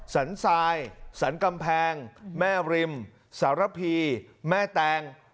สันทรายสรรกำแพงแม่ริมสารพีแม่แตง